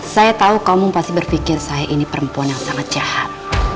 saya tahu kamu pasti berpikir saya ini perempuan yang sangat jahat